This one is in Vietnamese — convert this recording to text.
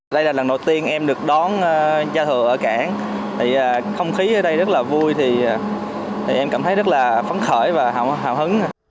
đây là lần đầu tiên em được đón nhà thừa ở cảng không khí ở đây rất là vui thì em cảm thấy rất là phấn khởi và hào hứng